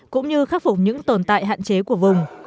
cũng như khắc phục những tồn tại hạn chế của vùng